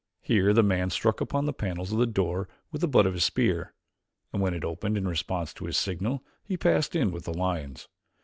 Here the man struck upon the panels of the door with the butt of his spear, and when it opened in response to his signal he passed in with his lions.